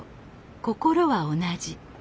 心は同じ。